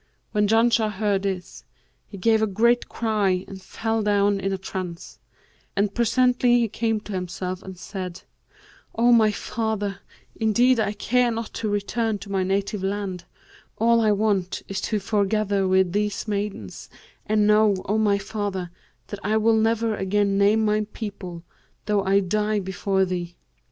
When Janshah heard this, he gave a great cry and fell down in a trance; and presently he came to himself, and said, 'O my father indeed I care not to return to my native land: all I want is to foregather with these maidens and know, O my father, that I will never again name my people, though I die before thee.'